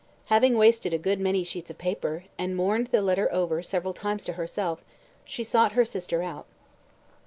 Having wasted a good many sheets of paper, and murmured the letter over several times to herself, she sought her sister out.